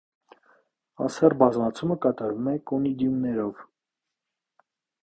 Անսեռ բազմացումը կատարվում է կոնիդիումներով։